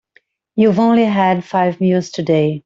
You've only had five meals today.